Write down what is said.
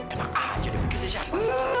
enak aja dibikin siapa